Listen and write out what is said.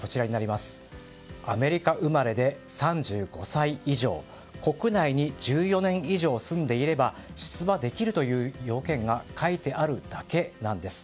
アメリカ生まれで、３５歳以上国内に１４年以上住んでいれば出馬できるという要件が書いてあるだけなんです。